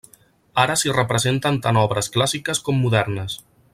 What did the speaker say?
Ara s'hi representen tant obres clàssiques com modernes.